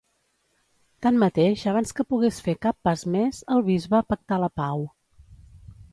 Tanmateix abans que pogués fer cap pas més, el bisbe, pactà la pau.